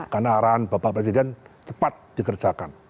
karena arahan bapak presiden cepat dikerjakan